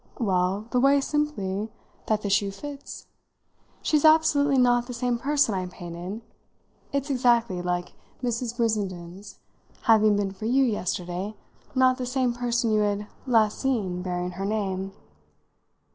"Well, the way, simply, that the shoe fits. She's absolutely not the same person I painted. It's exactly like Mrs. Brissenden's having been for you yesterday not the same person you had last seen bearing her name."